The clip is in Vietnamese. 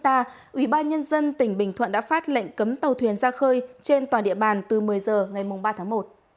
trong bộ nước ta ubnd tỉnh bình thuận đã phát lệnh cấm tàu thuyền ra khơi trên toàn địa bàn từ một mươi giờ ngày ba tháng một